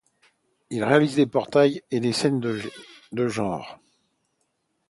Il réalise des portraits et des scènes de genre.